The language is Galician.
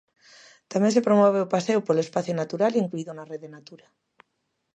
Tamén se promove o paseo polo espazo natural incluído na Rede Natura.